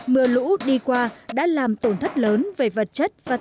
mưa lũ đi qua đã làm tổn thất lớn về vật chất và tiền